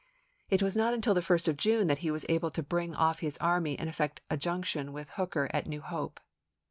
It was not until the 1st of June that he was able to bring off his army and effect a junction with Hooker at New Hope.